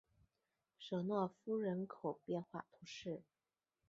舍诺夫人口变化图示